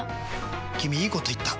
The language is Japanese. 君いいこと言った！